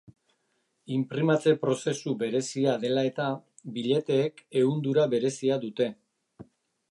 Inprimatze prozesu berezia dela eta, billeteek ehundura berezia dute.